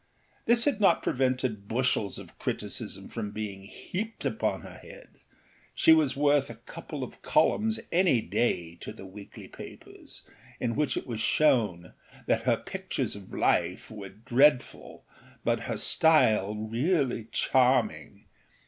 This had not prevented bushels of criticism from being heaped upon her head; she was worth a couple of columns any day to the weekly papers, in which it was shown that her pictures of life were dreadful but her style really charming.